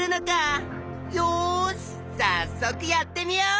よしさっそくやってみよう！